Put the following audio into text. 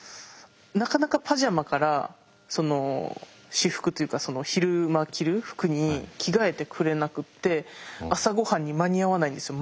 なかなかパジャマから私服というか昼間着る服に着替えてくれなくて朝ごはんに間に合わないんですよ